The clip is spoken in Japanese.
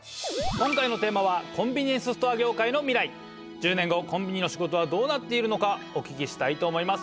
１０年後コンビニの仕事はどうなっているのかお聞きしたいと思います。